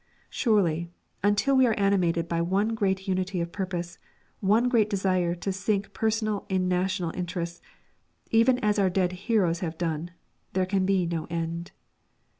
Surely, until we are animated by one great unity of purpose, one great desire to sink personal in national interests, even as our dead heroes have done, there can be no end.